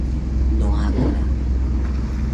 No Ágora.